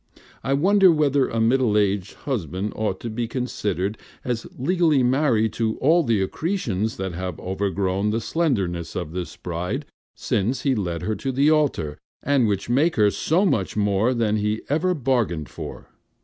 I wonder whether a middle aged husband ought to be considered as legally married to all the accretions that have overgrown the slenderness of his bride, since he led her to the altar, and which make her so much more than he ever bargained for!